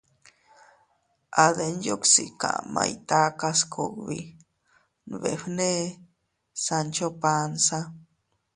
—A Denyuksi kamay takas kugbi —nbefne Sancho Panza.